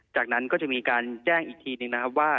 จากนั้นก็จะมีการแจ้งอีกทีนึงนะครับว่า